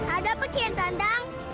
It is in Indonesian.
ada apa ken tante